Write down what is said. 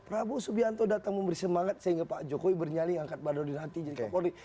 prabowo subianto datang memberi semangat sehingga pak jokowi bernyali angkat badro di hati jadi kapolri